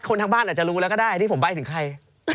ทางบ้านอาจจะรู้แล้วก็ได้ที่ผมใบ้ถึงใคร